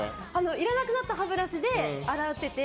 いらなくなった歯ブラシで洗ってて。